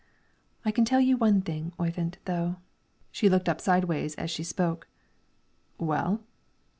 "I can tell you one thing, Oyvind, though." She looked up sideways as she spoke. "Well?"